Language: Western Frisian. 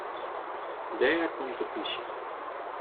Dêr komt de plysje.